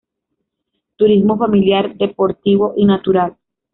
Turismo familiar, deportivo y natural.